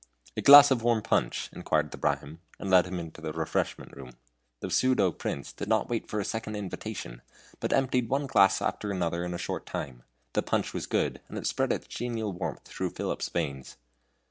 "A glass of warm punch?" inquired the Brahmin, and led him into the refreshment room. The pseudo prince did not wait for a second invitation, but emptied one glass after the other in short time. The punch was good, and it spread its genial warmth through Philip's veins.